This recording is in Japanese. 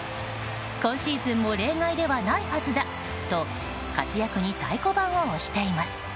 今シーズンも例外ではないはずだ！と活躍に太鼓判を押しています。